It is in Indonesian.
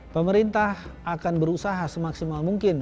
pemerintah akan berusaha semaksimal mungkin